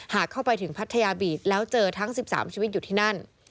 เข้าไปถึงพัทยาบีทแล้วเจอทั้ง๑๓ชีวิตอยู่ที่นั่น